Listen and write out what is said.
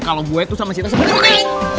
kalau gue tuh sama citra sebenernya